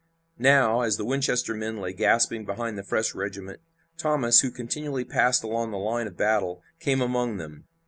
Now, as the Winchester men lay gasping behind the fresh regiment, Thomas, who continually passed along the line of battle, came among them.